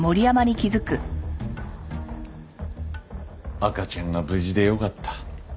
赤ちゃんが無事でよかった。